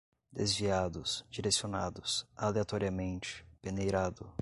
desviados, direcionados, aleatoriamente, peneirado